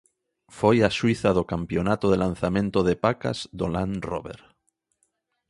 Foi a xuíza do campionato de lanzamento de pacas do 'Land Rober'.